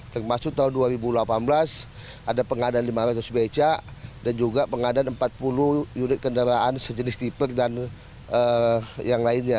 termasuk tahun dua ribu delapan belas ada pengadaan lima ratus becak dan juga pengadaan empat puluh unit kendaraan sejenis tipe dan yang lainnya